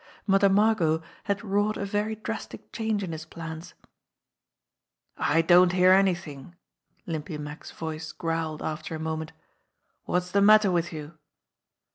Mother Margot had wrought a very drastic change in his plans ! "I don't hear anything!" Limpy Mack's voice growled after a moment. "What's the matter with you?"